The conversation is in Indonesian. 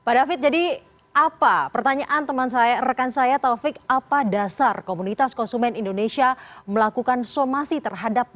pak david jadi apa pertanyaan teman saya rekan saya taufik apa dasar komunitas konsumen indonesia melakukan somasi terhadap